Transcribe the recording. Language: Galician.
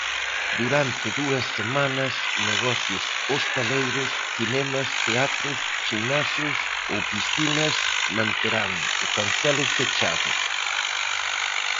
Durante dúas semanas, negocios hostaleiros, cinemas, teatros, ximnasios ou piscinas manterán o cancelo fechado.